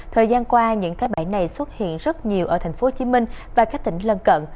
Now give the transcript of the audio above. thời gian qua những cái bãi này xuất hiện rất nhiều ở thành phố hồ chí minh và các tỉnh lân cận